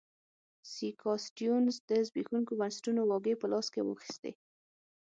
سیاکا سټیونز د زبېښونکو بنسټونو واګې په لاس کې واخیستې.